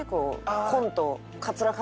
コント。